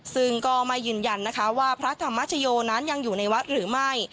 ซึ่งก็ไม่ยืนยันนะคะว่าพระธรรมชโยนั้นยังอยู่ในวัดหรือไม่